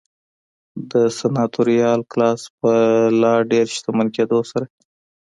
د سناتوریال کلاس په لا ډېر شتمن کېدو سره.